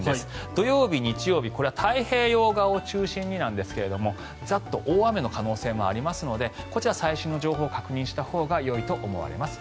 土曜日、日曜日これは太平洋側を中心にですがザッと大雨の可能性もありますのでこちら、最新の情報を確認したほうがよいと思われます。